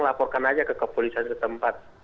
laporkan aja ke kepolisian setempat